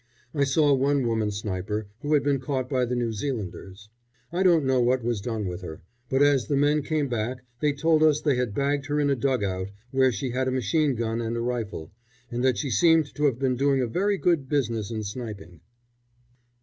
I saw one woman sniper who had been caught by the New Zealanders. I don't know what was done with her; but as the men came back they told us they had bagged her in a dug out, where she had a machine gun and a rifle, and that she seemed to have been doing a very good business in sniping.